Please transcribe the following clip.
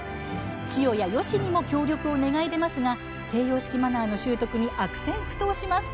千代や、よしにも協力を願い出ますが西洋式マナーの習得に悪戦苦闘します。